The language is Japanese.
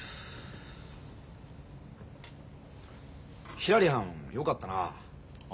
ひらりはんよかったなあ。